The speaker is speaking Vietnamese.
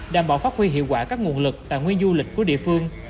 đảm bảo phát huy hiệu quả các nguồn lực tài nguyên du lịch của địa phương